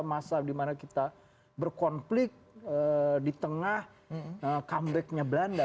masa dimana kita berkonflik di tengah comebacknya belanda